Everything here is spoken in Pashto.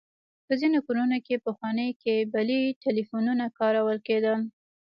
په ځينې کورونو کې پخواني کيبلي ټليفونونه کارول کېدل.